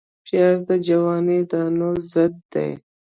پیاز د جواني دانو ضد دی